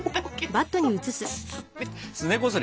すねこすり？